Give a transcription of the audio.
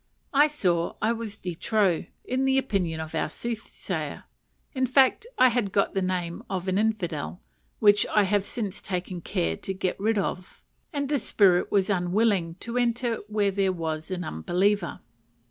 I saw I was de trop, in the opinion of our soothsayer: in fact, I had got the name of an infidel (which I have since taken care to get rid of), and the spirit was unwilling to enter where there was an unbeliever.